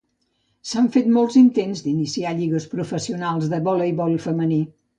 S'han fet molts intents d'iniciar lligues professionals de voleibol femení.